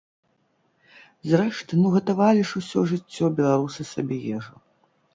Зрэшты, ну гатавалі ж усё жыццё беларусы сабе ежу!